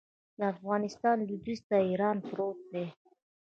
د افغانستان لویدیځ ته ایران پروت دی